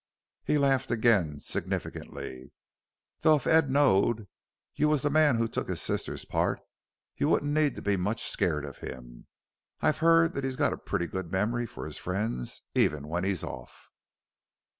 He laughed again, significantly. "Though if Ed knowed you was the man who took his sister's part you wouldn't need to be much scared of him I've heard that he's got a pretty good memory for his friends even when he's off."